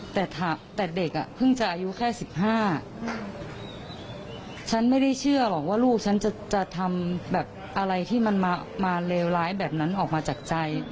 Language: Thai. แต่เด็กอ่ะเพิ่งจะอายุแค่๑๕ฉันไม่ได้เชื่อหรอกว่าลูกฉันจะทำแบบอะไรที่มันมาเลวร้ายแบบนั้นออกมาจากใจ